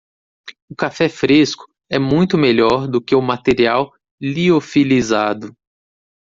O café fresco é muito melhor do que o material liofilizado.